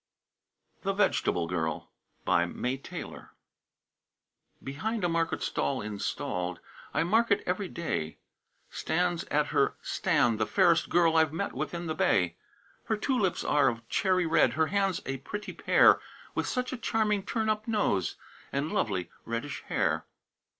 THE VEGETABLE GIRL. BY MAY TAYLOR. Behind a market stall installed, I mark it every day, Stands at her stand the fairest girl I've met within the bay; Her two lips are of cherry red, Her hands a pretty pair, With such a charming turn up nose, And lovely reddish hair.